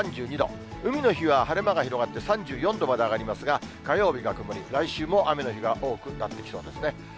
海の日は晴れ間が広がって３４度まで上がりますが、火曜日が曇り、来週も雨の日が多くなってきそうですね。